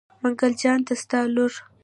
منګل جان ته ستا لور.